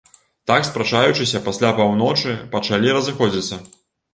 Так спрачаючыся, пасля паўночы пачалі разыходзіцца.